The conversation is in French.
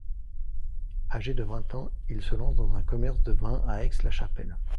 Âgé de vingt ans, il se lança dans un commerce de vin à Aix-la-Chapelle.